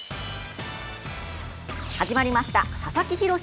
始まりました佐々木洋